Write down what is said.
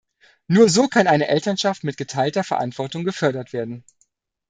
Nur so kann eine Elternschaft mit geteilter Verantwortung gefördert werden.